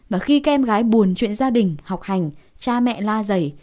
và khi các em gái buồn chuyện gia đình học hành cha mẹ la giày